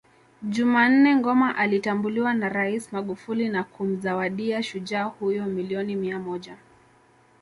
Jumannne Ngoma alitambuliwa na Rais Magufuli na kumzawadia shujaa huyo milioni mia Moja